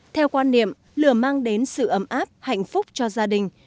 theo quan niệm lửa mang đến sự ấm áp hạnh phúc cho gia đình